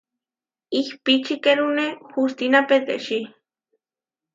Ihpičikerune hustína petečí.